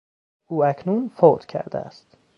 او اکنون فوت کرده است.